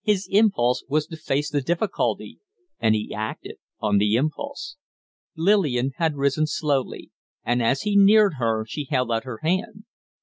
His impulse was to face the difficulty, and he acted on the impulse. Lillian had risen slowly; and as he neared her she held out her hand.